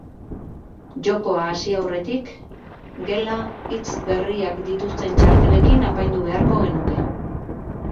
Jokoa hasi aurretik, gela hitz berriak dituzten txartelekin apaindu beharko genuke.